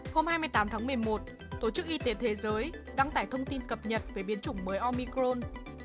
hôm hai mươi tám tháng một mươi một tổ chức y tế thế giới đăng tải thông tin cập nhật về biến chủng mới omicron